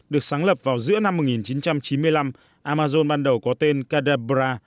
được sáng lập vào giữa năm một nghìn chín trăm chín mươi năm amazon ban đầu có tên kadhebra